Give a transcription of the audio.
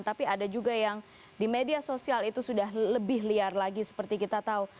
tapi ada juga yang di media sosial itu sudah lebih liar lagi seperti kita tahu